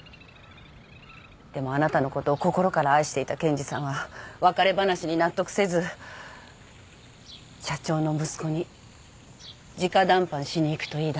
でもあなたのことを心から愛していた健治さんは別れ話に納得せず社長の息子に直談判しに行くと言いだした。